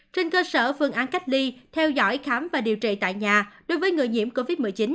trên cơ sở phương án cách ly theo dõi khám và điều trị tại nhà đối với người nhiễm covid một mươi chín